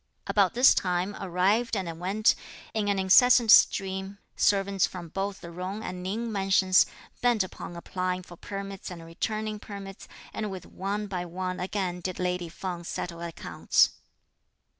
About this time arrived and went, in an incessant stream, servants from both the Jung and Ning mansions, bent upon applying for permits and returning permits, and with one by one again did lady Feng settle accounts.